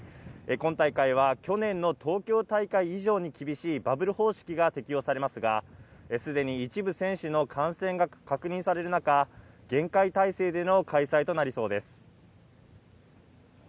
今大会は去年の東京大会以上に厳しいバブル方式が適用されますが、すでに一部選手の感染が確認される中、厳戒態勢での開催となりそうです。